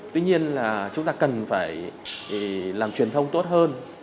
tuy nhiên là chúng ta cần phải làm truyền thông tốt hơn